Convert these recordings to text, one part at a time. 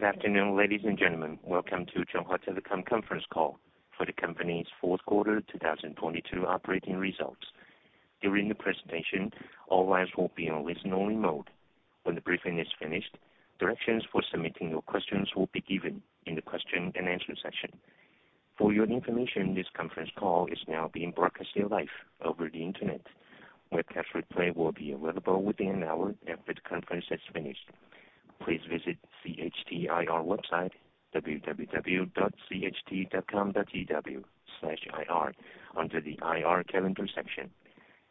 Good afternoon, ladies and gentlemen. Welcome to Chunghwa Telecom conference call for the company's fourth quarter 2022 operating results. During the presentation, all lines will be on listen only mode. When the briefing is finished, directions for submitting your questions will be given in the question and answer session. For your information, this conference call is now being broadcasted live over the Internet. Webcast replay will be available within an hour after the conference is finished. Please visit CHT IR website www.cht.com.tw/ir under the IR calendar section.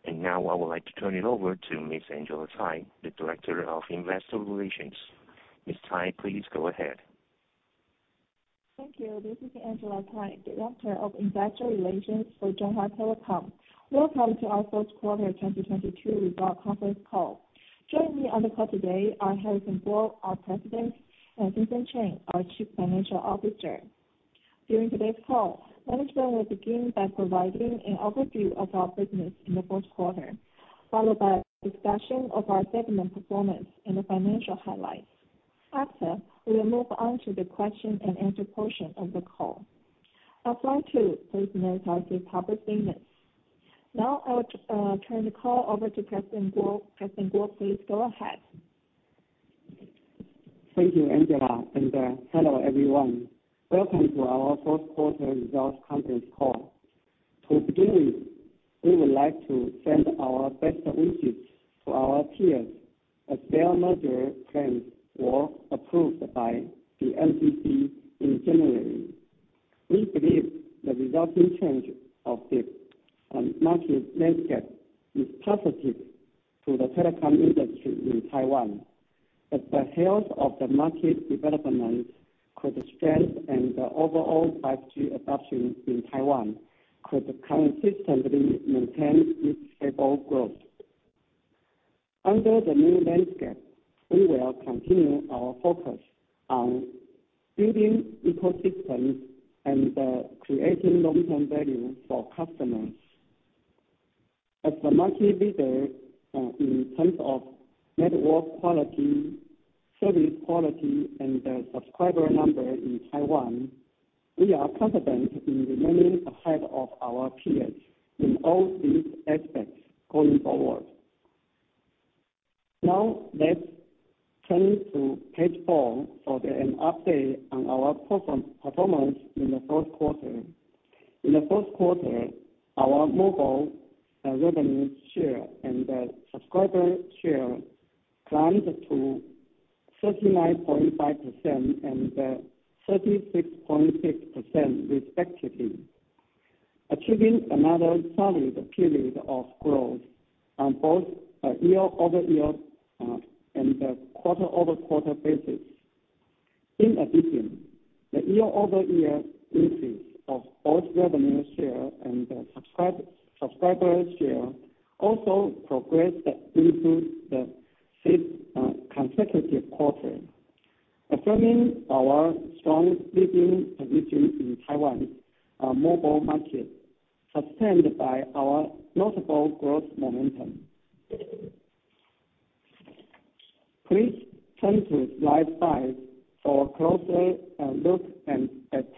Now I would like to turn it over to Ms. Angela Tsai, the Director of Investor Relations. Ms. Tsai, please go ahead. Thank you. This is Angela Tsai, Director of Investor Relations for Chunghwa Telecom. Welcome to our fourth quarter 2022 result conference call. Joining me on the call today are Harrison Kuo, our President, and Vincent Chen, our Chief Financial Officer. During today's call, management will begin by providing an overview of our business in the fourth quarter, followed by a discussion of our segment performance and the financial highlights. After, we will move on to the question and answer portion of the call. I'll try to raise my topic statements. Now I'll turn the call over to President Kuo. President Kuo, please go ahead. Thank you, Angela. Hello, everyone. Welcome to our fourth quarter results conference call. To begin with, we would like to send our best wishes to our peers as their merger plans were approved by the NCC in January. We believe the resulting change of the market landscape is positive to the telecom industry in Taiwan. The health of the market development could strengthen the overall 5G adoption in Taiwan, could consistently maintain its stable growth. Under the new landscape, we will continue our focus on building ecosystems and creating long term value for customers. As the market leader, in terms of network quality, service quality, and subscriber number in Taiwan, we are confident in remaining ahead of our peers in all these aspects going forward. Let's turn to page four for an update on our performance in the fourth quarter. In the first quarter, our mobile revenue share and subscriber share climbed to 39.5% and 36.6% respectively, achieving another solid period of growth on both a year-over-year and a quarter-over-quarter basis. In addition, the year-over-year increase of both revenue share and subscriber share also progressed into the sixth consecutive quarter, affirming our strong leading position in Taiwan's mobile market, sustained by our notable growth momentum. Please turn to slide five for a closer look and at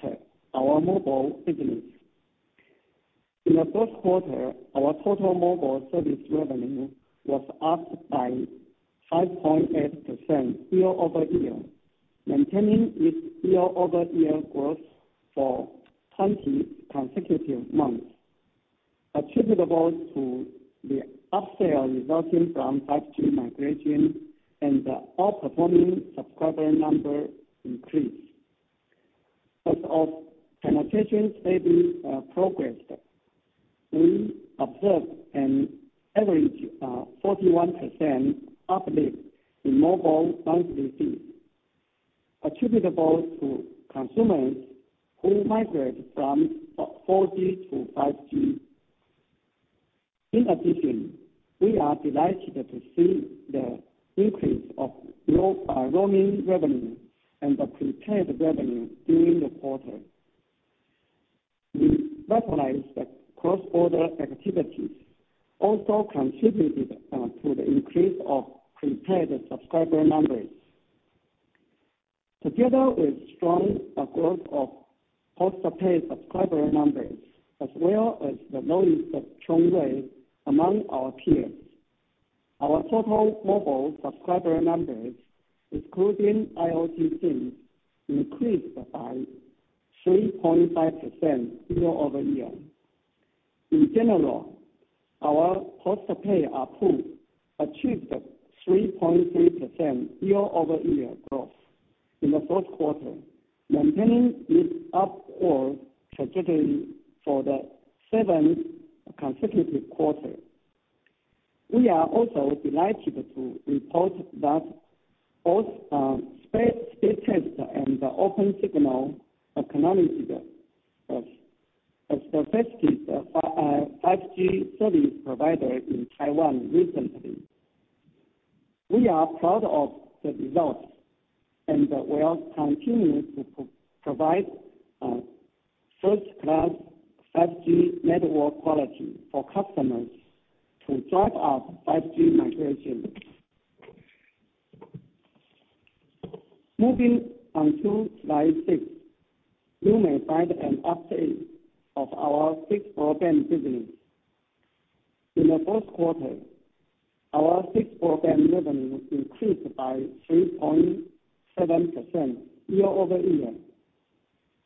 our mobile business. In the first quarter, our total mobile service revenue was up by 5.8% year-over-year, maintaining its year-over-year growth for 20 consecutive months, attributable to the upsell resulting from 5G migration and the outperforming subscriber number increase. As our penetration status progressed, we observed an average 41% uplift in mobile ARPU, attributable to consumers who migrate from 4G to 5G. We are delighted to see the increase of roaming revenue and the prepaid revenue during the quarter. We recognize that cross-border activities also contributed to the increase of prepaid subscriber numbers. Together with strong growth of post-paid subscriber numbers, as well as the lowest churn rate among our peers, our total mobile subscriber numbers, including IoT SIMs, increased by 3.5% year-over-year. In general, our post-paid ARPU achieved 3.3% year-over-year growth in the fourth quarter, maintaining its upward trajectory for the seventh consecutive quarter. We are also delighted to report that both Speedtest and OpenSignal acknowledged us as the fastest 5G service provider in Taiwan recently. We are proud of the results, and we'll continue to provide first class 5G network quality for customers to drive up 5G migration. Moving on to slide six. You may find an update of our fixed broadband business. In the fourth quarter, our fixed broadband revenue increased by 3.7% year-over-year,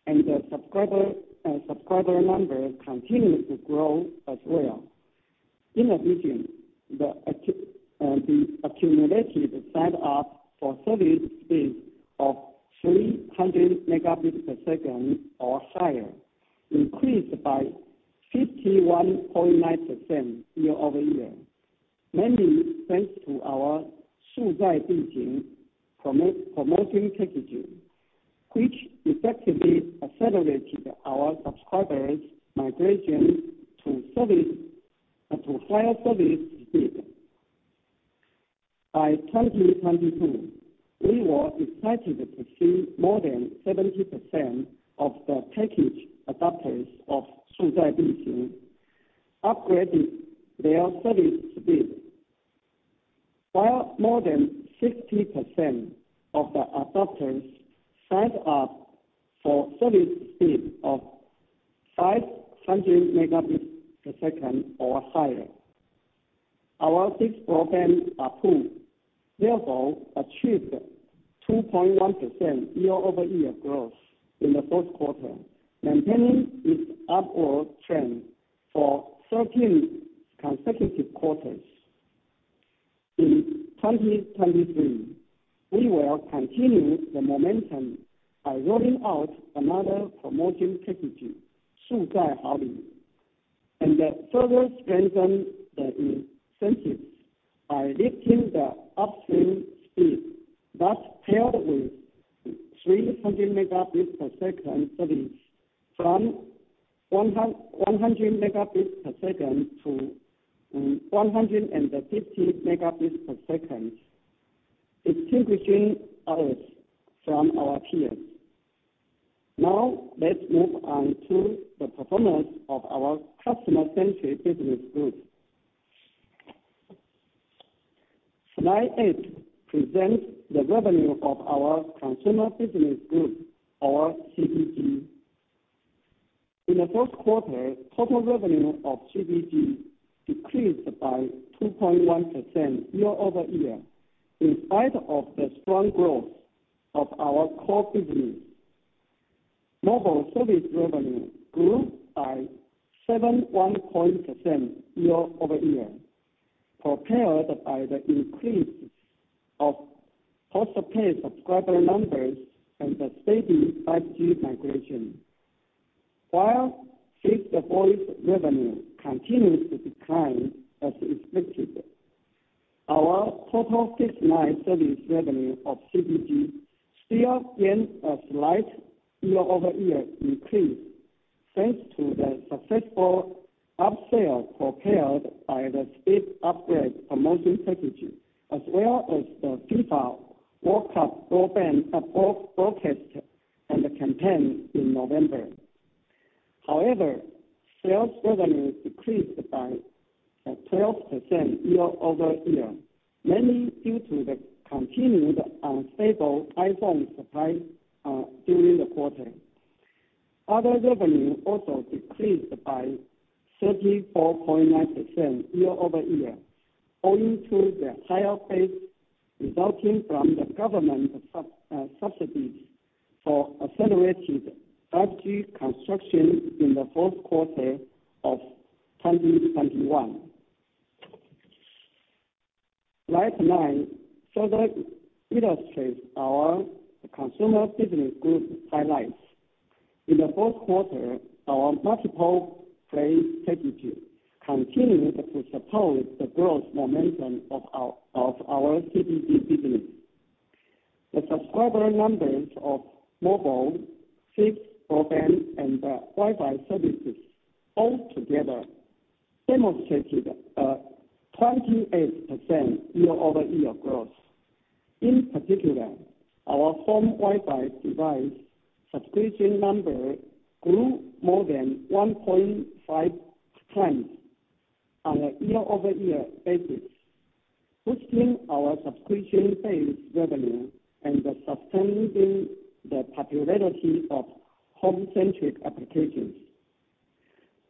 and the subscriber numbers continued to grow as well. In addition, the accumulated sign-up for service speed of 300 Mbps or higher increased by 51.9% year-over-year, mainly thanks to our promoting strategy, which effectively accelerated our subscribers migration to higher service speed. By 2022, we were excited to see more than 70% of the package adopters upgraded their service speed, while more than 60% of the adopters signed up for service speed of 500 Mbps or higher. Our fixed broadband pool therefore achieved 2.1% year-over-year growth in the fourth quarter, maintaining its upward trend for 13 consecutive quarters. In 2023, we will continue the momentum by rolling out another promotion strategy, and further strengthen the incentives by lifting the upstream speed that pair with 300 Mbps service from 100 megabits per second to 150 Mbps, distinguishing us from our peers. Now, let's move on to the performance of our customer-centric business group. Slide eight presents the revenue of our consumer business group or CBG. In the fourth quarter, total revenue of CBG decreased by 2.1% year-over-year, in spite of the strong growth of our core business. Mobile service revenue grew by 71.0% year-over-year, propelled by the increase of post-paid subscriber numbers and the steady 5G migration. While fixed voice revenue continues to decline as expected, our total fixed-line service revenue of CBG still gained a slight year-over-year increase, thanks to the successful upsell propelled by the speed upgrade promotion strategy, as well as the FIFA World Cup broadband broadcast and the campaign in November. Sales revenue decreased by 12% year-over-year, mainly due to the continued unstable iPhone supply during the quarter. Other revenue also decreased by 34.9% year-over-year, owing to the higher base resulting from the government subsidies for accelerated 5G construction in the fourth quarter of 2021. Slide nine further illustrates our Consumer Business Group highlights. In the fourth quarter, our multiple play strategy continued to support the growth momentum of our CBG business. The subscriber numbers of mobile, fixed broadband, and Wi-Fi services all together demonstrated a 28% year-over-year growth. In particular, our home Wi-Fi device subscription number grew more than 1.5 times on a year-over-year basis, boosting our subscription-based revenue and sustaining the popularity of home-centric applications.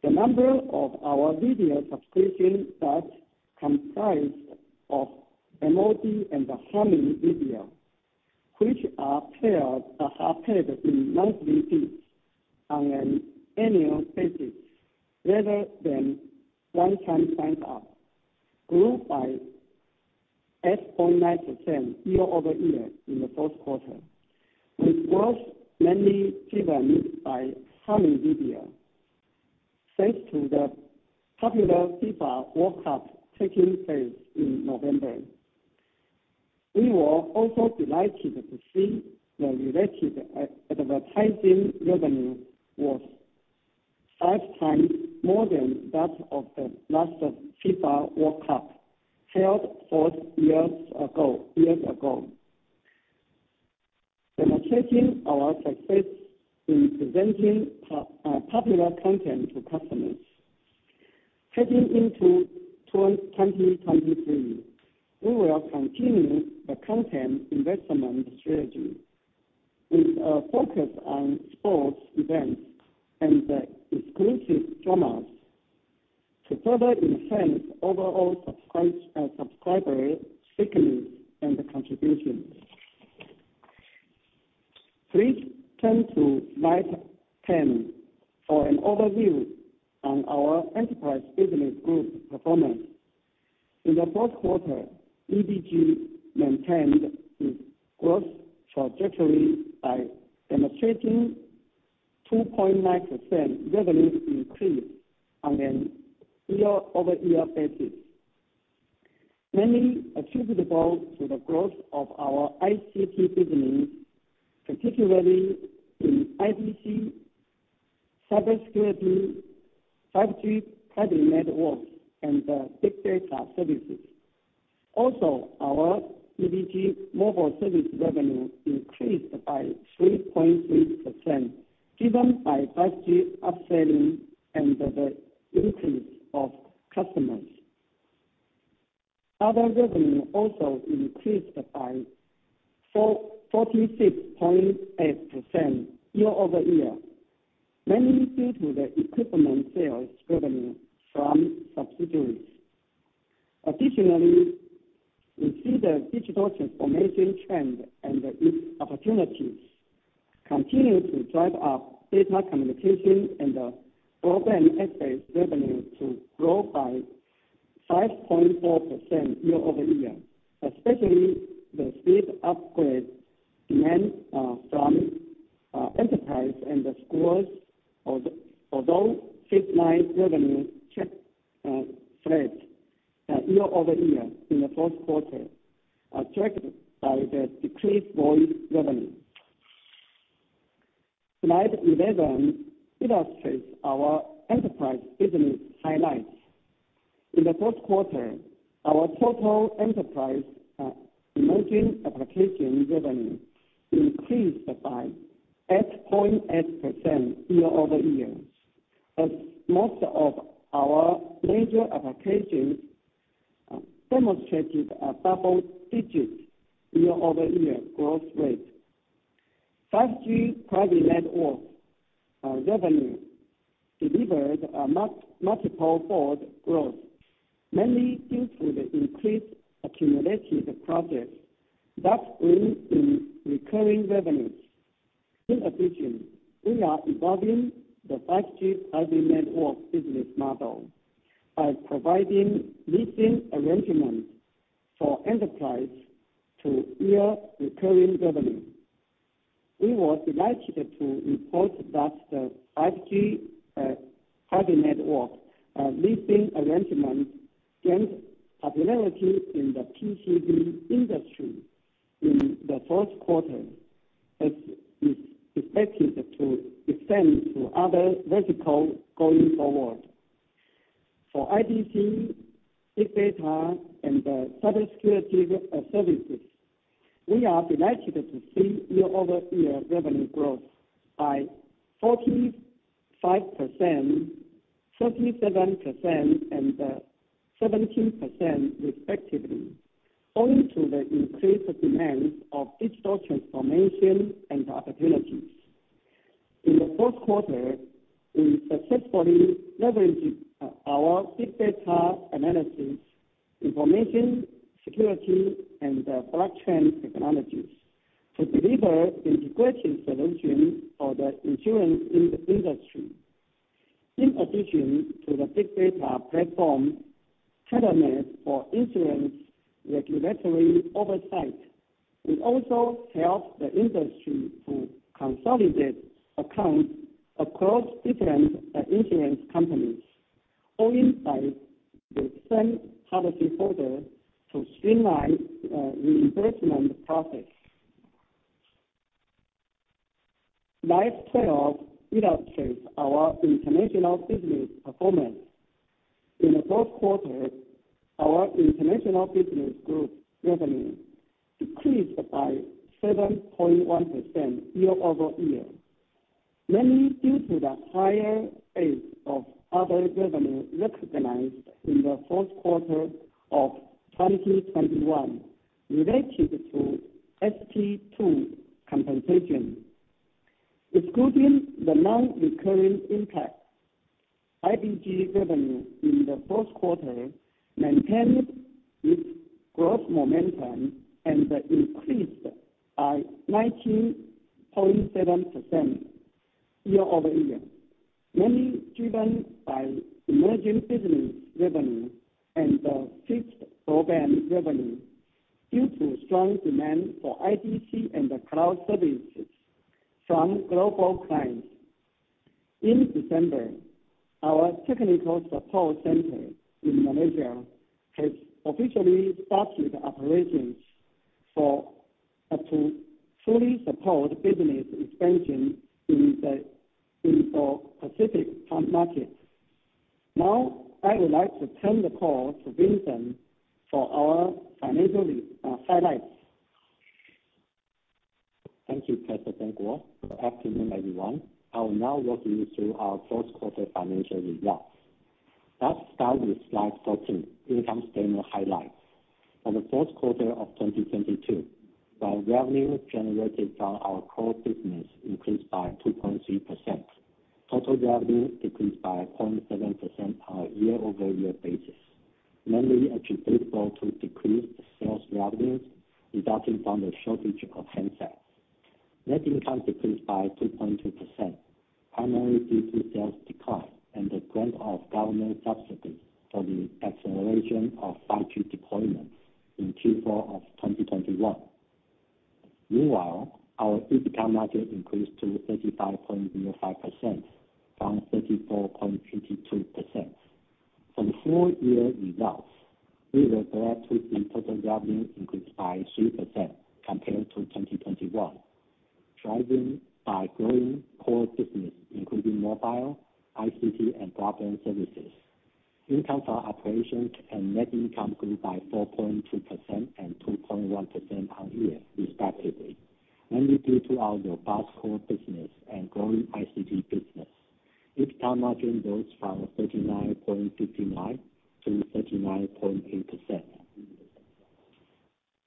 The number of our video subscription that comprise of MOD and Hami Video, which are paid in monthly fees on an annual basis rather than one time sign-up, grew by 8.9% year-over-year in the fourth quarter. This growth mainly driven by Hami Video. Thanks to the popular FIFA World Cup taking place in November. We were also delighted to see the related advertising revenue was five times more than that of the last FIFA World Cup held four years ago, demonstrating our success in presenting popular content to customers. Heading into towards 2023, we will continue the content investment strategy with a focus on sports events and the exclusive dramas to further enhance overall subscriber stickiness and contribution. Please turn to slide 10 for an overview on our Enterprise Business Group performance. In the fourth quarter, EBG maintained its growth trajectory by demonstrating 2.9% revenue increase on a year-over-year basis, mainly attributable to the growth of our ICT business, particularly in ICT, cybersecurity, 5G private networks, and big data services. Our EBG mobile service revenue increased by 3.3% driven by 5G upselling and the increase of customers. Other revenue also increased by 46.8% year-over-year, mainly due to the equipment sales revenue from subsidiaries. Additionally, we see the digital transformation trend and its opportunities continue to drive our data communication and the broadband access revenue to grow by 5.4% year-over-year, especially the speed upgrade demand from enterprise and the scores. Although fixed-line revenue checked flat year-over-year in the fourth quarter, attracted by the decreased voice revenue. Slide 11 illustrates our enterprise business highlights. In the fourth quarter, our total enterprise emerging applications revenue increased by 8.8% year-over-year, as most of our major applications demonstrated a double-digits year-over-year growth rate. 5G private network revenue delivered a multiple board growth, mainly due to the increased accumulated projects that bring in recurring revenues. In addition, we are evolving the 5G private network business model by providing leasing arrangements for enterprise to yield recurring revenue. We were delighted to report that the 5G private network leasing arrangement gained popularity in the PCB industry in the first quarter, as is expected to extend to other verticals going forward. For ICT, big data, and cybersecurity services, we are delighted to see year-over-year revenue growth by 45%, 37%, and 17% respectively, owing to the increased demand of digital transformation and opportunities. In the fourth quarter, we successfully leveraged our big data analysis, information security, and blockchain technologies to deliver integrated solutions for the insurance industry. In addition to the big data platform tailored made for insurance regulatory oversight, we also helped the industry to consolidate accounts across different insurance companies, owing by the same policyholder to streamline reimbursement process. Slide 12 illustrates our international business performance. In the fourth quarter, our international business group revenue decreased by 7.1% year-over-year, mainly due to the higher base of other revenue recognized in the fourth quarter of 2021 related to ST-2 compensation. Excluding the non-recurring impact, IBG revenue in the fourth quarter maintained its growth momentum and increased by 19.7% year-over-year, mainly driven by emerging business revenue and the fixed program revenue due to strong demand for ICT and the cloud services from global clients. In December, our technical support center in Malaysia has officially started operations to fully support business expansion in our Pacific market. Now I would like to turn the call to Vincent for our financial highlights. Thank you, Harrison Kuo. Good afternoon, everyone. I will now walk you through our fourth quarter financial results. Let's start with slide 14, income statement highlights. For the fourth quarter of 2022, our revenue generated from our core business increased by 2.3%. Total revenue decreased by 0.7% on a year-over-year basis, mainly attributable to decreased sales revenues resulting from the shortage of handsets. Net income decreased by 2.2%, primarily due to sales decline and the grant of government subsidies for the acceleration of 5G deployments in Q4 of 2021. Meanwhile, our EBITDA margin increased to 35.05% from 34.82%. For the full year results, we were glad to see total revenue increased by 3% compared to 2021, driving by growing core business, including mobile, ICT, and broadband services. Income from operations and net income grew by 4.2% and 2.1% year-over-year, respectively, mainly due to our robust core business and growing ICT business. EBITDA margin rose from 39.59% to 39.8%.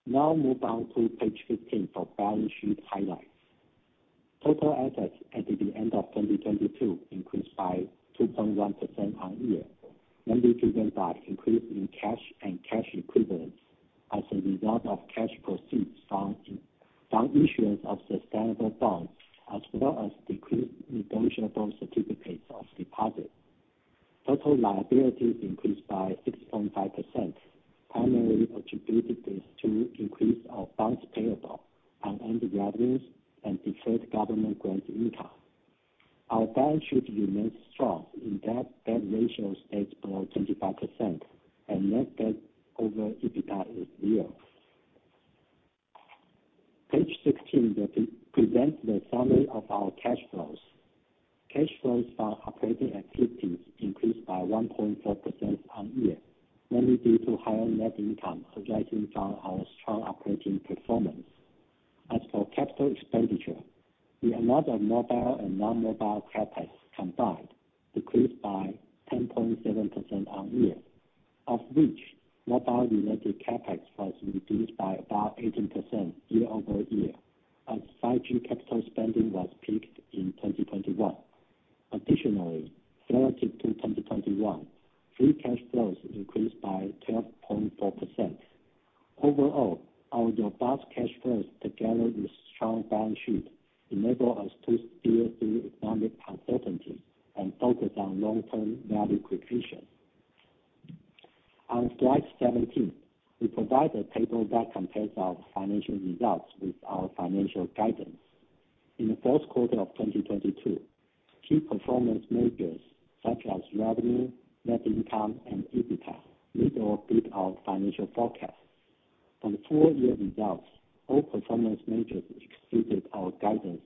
Move on to page 15 for balance sheet highlights. Total assets at the end of 2022 increased by 2.1% year-over-year, mainly driven by increase in cash and cash equivalents as a result of cash proceeds from issuance of sustainable bonds, as well as decreased negotiable certificates of deposit. Total liabilities increased by 6.5%, primarily attributed this to increase of bonds payable on earned revenues and deferred government grant income. Our balance sheet remains strong in that ratio stays below 25% and net debt over EBITDA is 0. Page 16 will pre-present the summary of our cash flows. Cash flows from operating activities increased by 1.4% on year, mainly due to higher net income arising from our strong operating performance. As for capital expenditure, the amount of mobile and non-mobile CapEx combined decreased by 10.7% on year, of which mobile-related CapEx was reduced by about 18% year-over-year, as 5G capital spending was peaked in 2021. Additionally, relative to 2021, free cash flows increased by 12.4%. Overall, our robust cash flows together with strong balance sheet enable us to steer through economic uncertainty and focus on long-term value creation. On slide 17, we provide a table that compares our financial results with our financial guidance. In the fourth quarter of 2022, key performance measures, such as revenue, net income, and EBITDA, meet or beat our financial forecast. On full year results, all performance measures exceeded our guidance,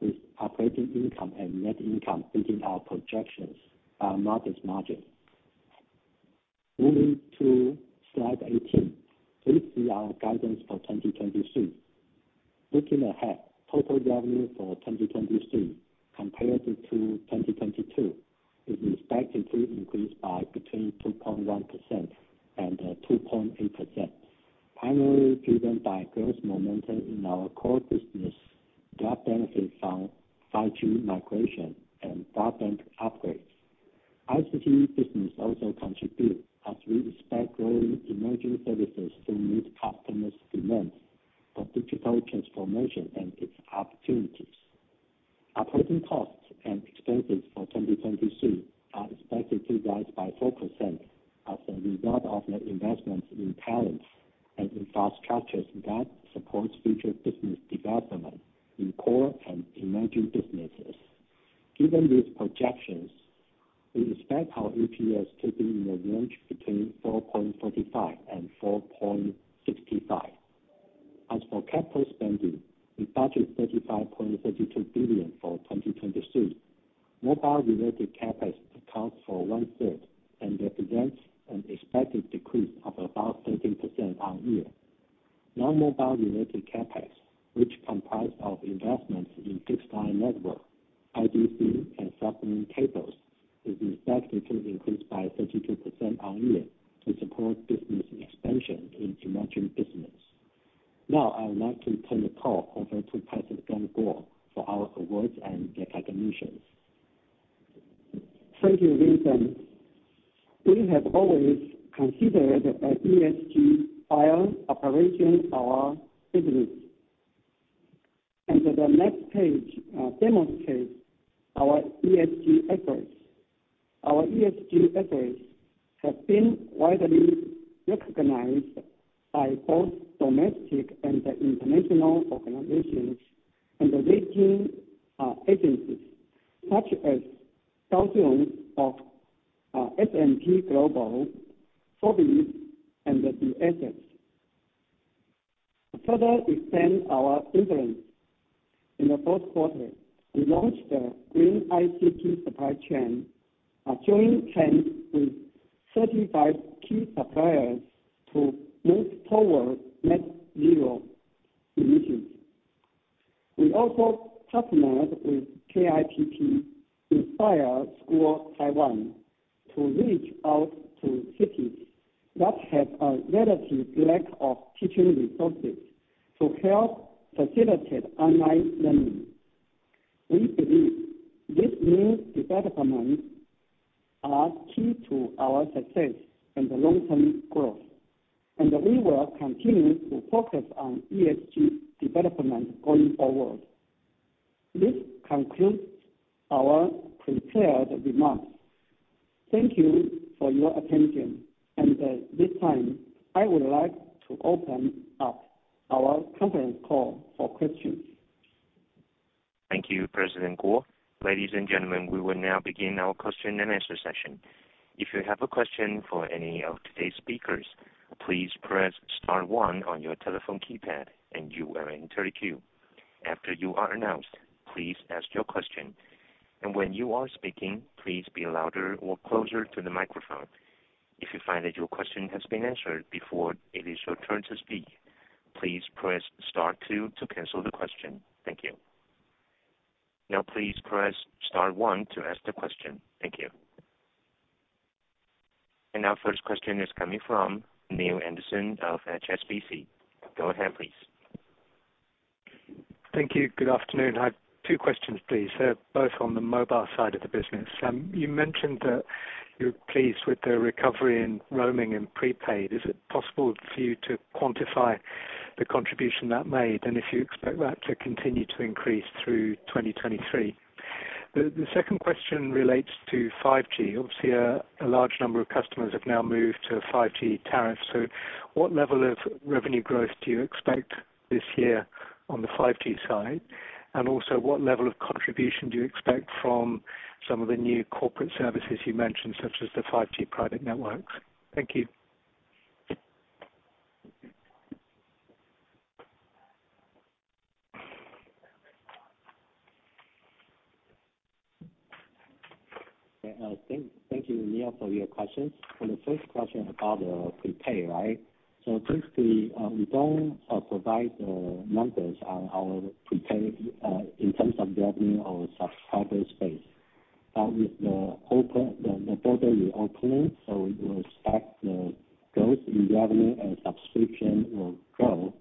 with operating income and net income beating our projections by a modest margin. Moving to slide 18, please see our guidance for 2023. Looking ahead, total revenue for 2023 compared to 2022 is expected to increase by between 2.1% and 2.8%, primarily driven by growth momentum in our core business, draft benefits from 5G migration, and broadband upgrades. ICT business also contribute as we expect growing emerging services to meet customers' demands for digital transformation and its opportunities. S&P Global, FTSE, and the MSCI. To further extend our influence in the fourth quarter, we launched the Green ICT supply chain, a joint trend with 35 key suppliers to move forward net zero emissions. We also partnered with KIPP Inspire School Taiwan to reach out to cities that have a relative lack of teaching resources to help facilitate online learning. We believe these new developments are key to our success and the long-term growth. We will continue to focus on ESG development going forward. This concludes our prepared remarks. Thank you for your attention. At this time, I would like to open up our conference call for questions. Thank you, President Kuo. Ladies and gentlemen, we will now begin our question and answer session. If you have a question for any of today's speakers, please press star one on your telephone keypad, you are in 30 queue. After you are announced, please ask your question. When you are speaking, please be louder or closer to the microphone. If you find that your question has been answered before it is your turn to speak, please press star two to cancel the question. Thank you. Now, please press star one to ask the question. Thank you. Our first question is coming from Neale Anderson of HSBC. Go ahead, please. Thank you. Good afternoon. I have two questions, please. They're both on the mobile side of the business. You mentioned that you're pleased with the recovery in roaming and prepaid. Is it possible for you to quantify the contribution that made and if you expect that to continue to increase through 2023? The second question relates to 5G. Obviously, a large number of customers have now moved to 5G tariffs. What level of revenue growth do you expect this year on the 5G side? Also, what level of contribution do you expect from some of the new corporate services you mentioned, such as the 5G private networks? Thank you. Yeah. Thank you, Neale, for your questions. For the first question about prepay, right? Basically, we don't provide the numbers on our prepaid in terms of revenue or subscriber space. With the border reopening, we will expect the growth in revenue and subscription will grow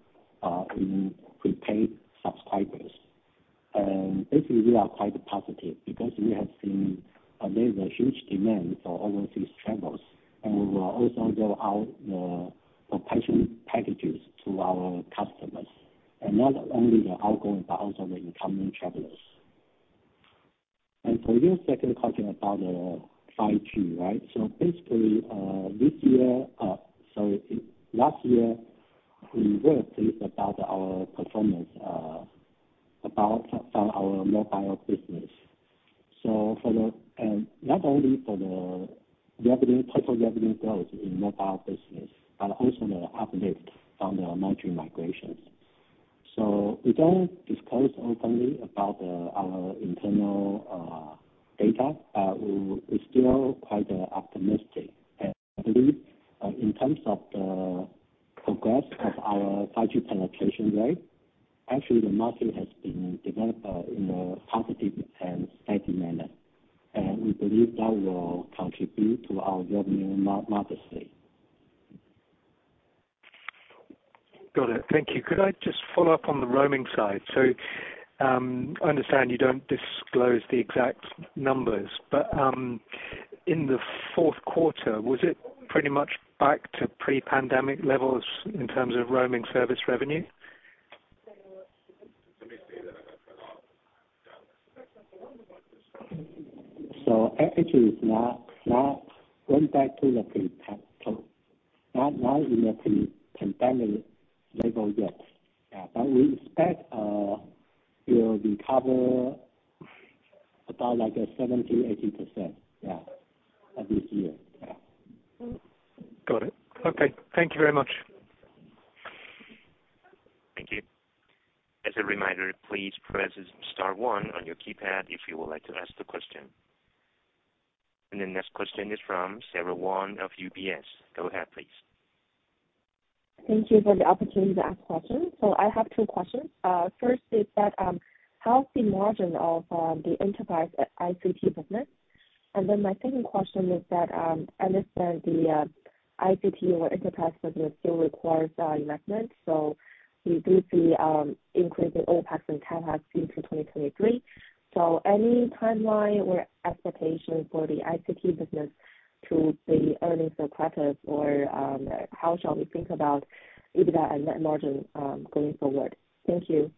in prepaid subscribers. Basically, we are quite positive because we have seen there is a huge demand for overseas travels, we will also roll out the packages to our customers, not only the outgoing, but also the incoming travelers. For your second question about 5G, right? Basically, this year, last year, we were pleased about our performance from our mobile business. For the not only for the revenue, total revenue growth in mobile business, but also the uplift from the 5G migrations. We don't disclose openly about our internal data. We're still quite optimistic. I believe in terms of the progress of our 5G penetration rate, actually the market has been developed in a positive and steady manner. We believe that will contribute to our revenue modestly. Got it. Thank you. Could I just follow up on the roaming side? I understand you don't disclose the exact numbers, but in the fourth quarter, was it pretty much back to pre-pandemic levels in terms of roaming service revenue? Actually, not in a pre-pandemic level yet. Yeah. We expect, we'll recover about like 70%-80%, yeah, of this year. Yeah. Got it. Okay. Thank you very much. Thank you. As a reminder, please press star one on your keypad if you would like to ask the question. The next question is from Sarah Wang of UBS. Go ahead, please. Thank you for the opportunity to ask questions. I have two questions. First is that, how is the margin of the enterprise ICT business? My second question is that, I understand the ICT or enterprise business still requires investment, we do see increase in OpEx and CapEx into 2023. Any timeline or expectation for the ICT business to be earnings accretive or, how shall we think about EBITDA and net margin going forward? Thank you.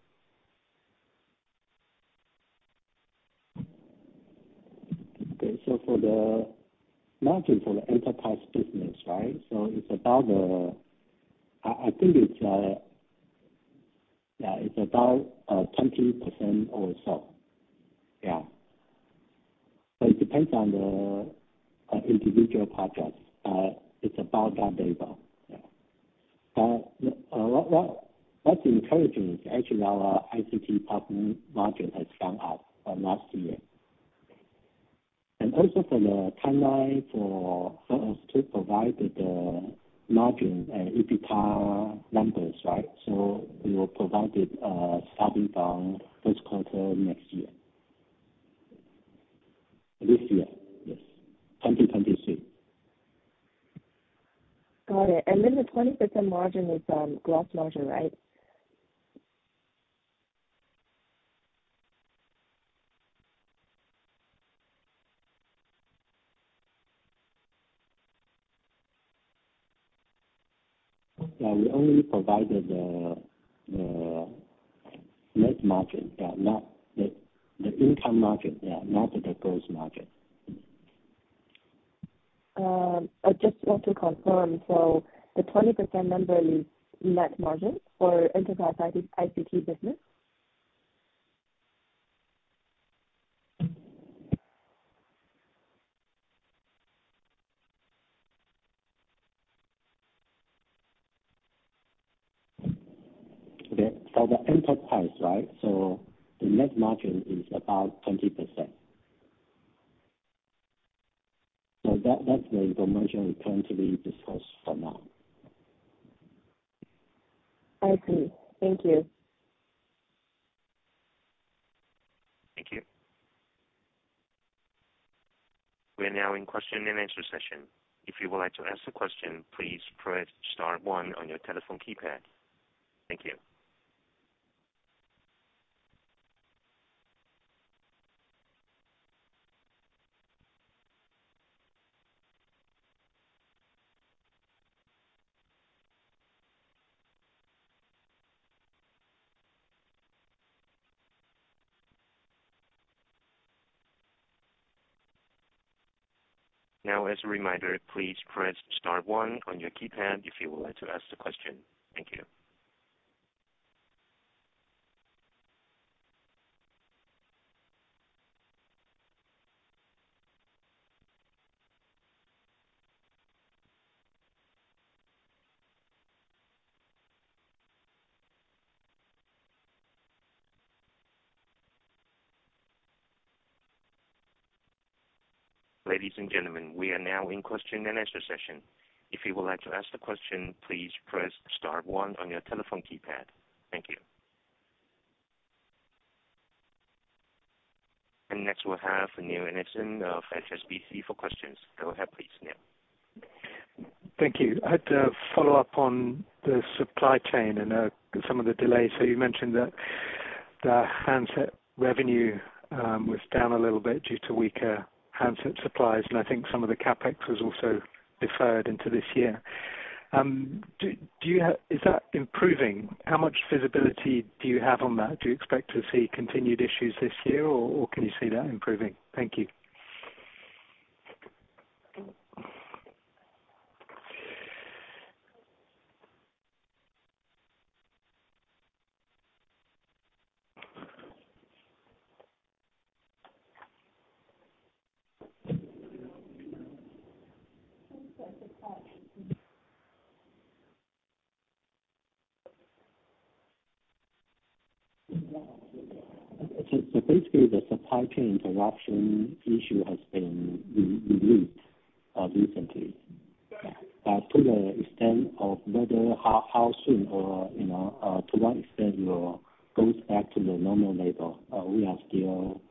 Okay. For the margin for the enterprise business, right? It's about, I think it's, yeah, it's about 20% or so. Yeah. It depends on the individual projects. It's about that level. Yeah. What's encouraging is actually our ICT profit margin has gone up from last year. Also for the timeline for us to provide the margin and EBITDA numbers, right? We will provide it starting from 1st quarter next year. This year, yes. 2022. Got it. The 20% margin was, gross margin, right? Yeah. We only provided the net margin. Yeah, not the income margin. Yeah, not the gross margin. I just want to confirm. The 20% number is net margin for enterprise ICT business? Okay. For the enterprise, right? The net margin is about 20%. That's the information we can currently discuss for now. I see. Thank you. Thank you. We are now in question and answer session. If you would like to ask the question, please press star 1 on your telephone keypad. Thank you. Now, as a reminder, please press star 1 on your keypad if you would like to ask the question. Thank you. Ladies and gentlemen, we are now in question and answer session. If you would like to ask the question, please press star 1 on your telephone keypad. Thank you. Next, we'll have Neil Hilton of HSBC for questions. Go ahead please, Neil. Thank you. I'd follow up on the supply chain and some of the delays. You mentioned that the handset revenue was down a little bit due to weaker handset supplies, and I think some of the CapEx was also deferred into this year. Do you have... Is that improving? How much visibility do you have on that? Do you expect to see continued issues this year, or can you see that improving? Thank you. Basically the supply chain interruption issue has been relieved recently. To the extent of whether how soon or, you know, to what extent it will goes back to the normal level, we are still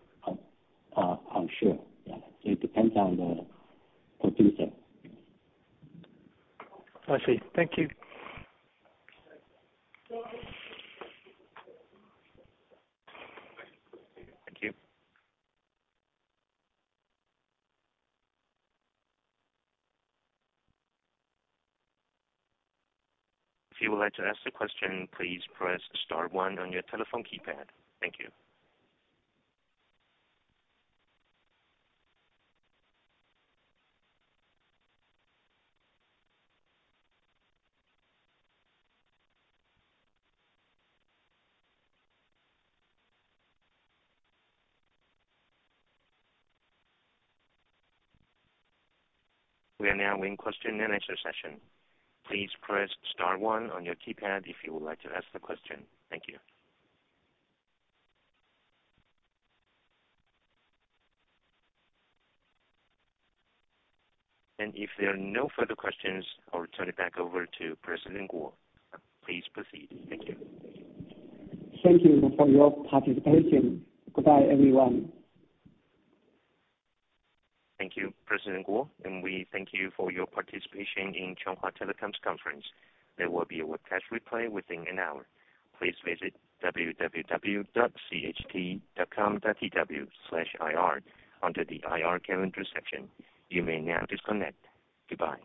unsure. Yeah. It depends on the producer. I see. Thank you. Thank you. If you would like to ask the question, please press star one on your telephone keypad. Thank you. We are now in question and answer session. Please press star one on your keypad if you would like to ask the question. Thank you. If there are no further questions, I'll turn it back over to Harrison Kuo. Please proceed. Thank you. Thank you for your participation. Goodbye, everyone. Thank you, Harrison Kuo. We thank you for your participation in Chunghwa Telecom's conference. There will be a webcast replay within an hour. Please visit www.cht.com.tw/ir under the IR Calendar section. You may now disconnect. Goodbye.